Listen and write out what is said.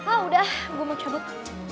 ah udah gue mau cabut